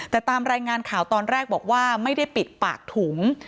แต่ตามรายงานข่าวตอนแรกบอกว่าไม่ได้ปิดปากถุง